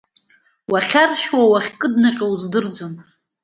Уахьаршәуа, уахькыднаҟьо уздырӡом.